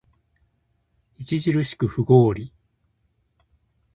著しく不合理